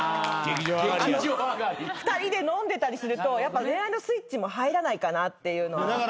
２人で飲んでたりするとやっぱ恋愛のスイッチも入らないかなっていうのは。